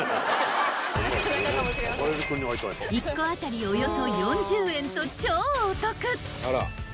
［１個当たりおよそ４０円と超お得！］